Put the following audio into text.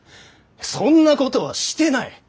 そんなことはしてない！